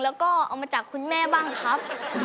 เอามาจากคุณแม่บ้างครับ